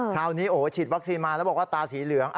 คราวนี้โอ้โหฉีดวัคซีนมาแล้วบอกว่าตาสีเหลือง